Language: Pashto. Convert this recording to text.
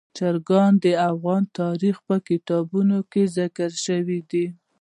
چرګان د افغان تاریخ په کتابونو کې ذکر شوي دي.